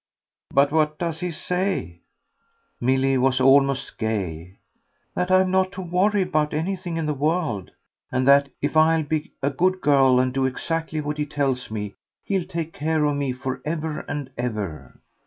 "But what does he say?" Milly was almost gay. "That I'm not to worry about anything in the world, and that if I'll be a good girl and do exactly what he tells me he'll take care of me for ever and ever."